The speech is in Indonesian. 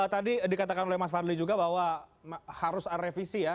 tadi dikatakan oleh mas fadli juga bahwa harus revisi ya